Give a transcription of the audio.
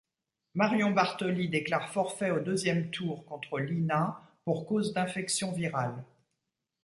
Marion Bartoli déclare forfait au deuxième tour contre Li Na pour cause d'infection virale.